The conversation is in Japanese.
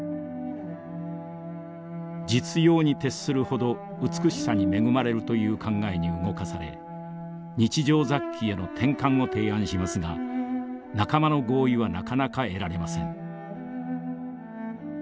実用に徹するほど美しさに恵まれるという考えに動かされ日常雑器への転換を提案しますが仲間の合意はなかなか得られません。